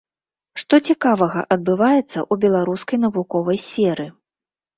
Што цікавага адбываецца ў беларускай навуковай сферы?